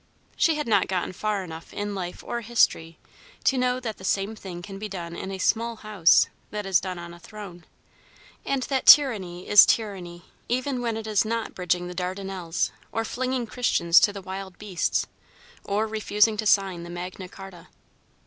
She had not gotten far enough in life or history to know that the same thing can be done in a small house that is done on a throne; and that tyranny is tyranny even when it is not bridging the Dardanelles, or flinging Christians to the wild beasts, or refusing to sign Magna Charta.